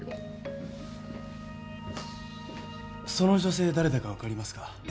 その女性誰だか分かりますか？